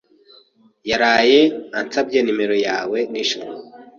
yaraye ansabye nomero yawe nijoro.